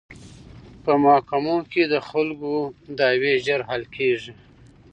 په محکمو کې د خلکو دعوې ژر حل کیږي.